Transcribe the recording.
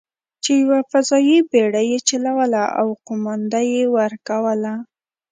چې یوه فضايي بېړۍ یې چلوله او قومانده یې ورکوله.